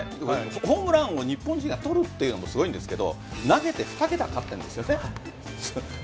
ホームラン王を日本人が取るというのもすごいですが投げて２桁勝ってますよね。